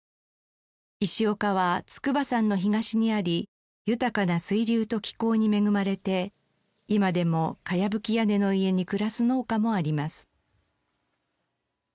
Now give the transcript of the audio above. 石岡は筑波山の東にあり豊かな水流と気候に恵まれて今でも茅葺き屋根の家に暮らす農家もあります。